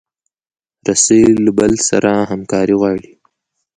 رسۍ له بل سره همکاري غواړي.